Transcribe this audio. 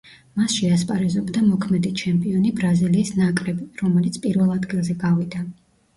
მასში ასპარეზობდა მოქმედი ჩემპიონი ბრაზილიის ნაკრები, რომელიც პირველ ადგილზე გავიდა.